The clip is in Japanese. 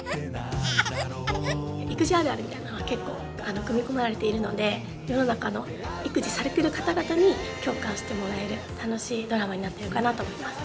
育児あるあるみたいなのが結構組み込まれているので世の中の育児されてる方々に共感してもらえる楽しいドラマになってるかなと思います。